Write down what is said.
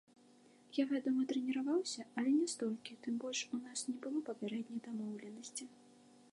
Я, вядома, трэніраваўся, але не столькі, тым больш у нас не было папярэдняй дамоўленасці.